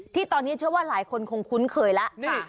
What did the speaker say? ที่ตอนนี้เชื่อว่าหลายคนคงคุ้นเคยแล้ว